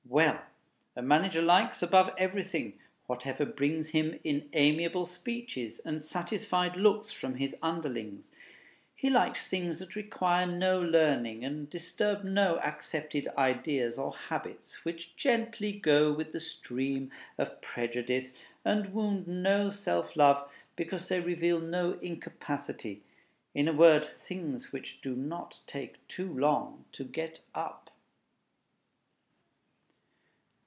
Well! a manager likes, above everything, whatever brings him in amiable speeches and satisfied looks from his underlings, he likes things that require no learning and disturb no accepted ideas or habits, which gently go with the stream of prejudice, and wound no self love, because they reveal no incapacity; in a word, things which do not take too long to get up.